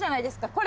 これ？